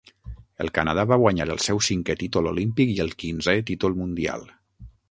El Canadà va guanyar el seu cinquè títol olímpic i el quinzè títol mundial.